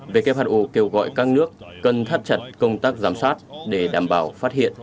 who kêu gọi các nước cần thắt chặt công tác giám sát để đảm bảo phát hiện